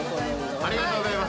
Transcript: ◆ありがとうございます。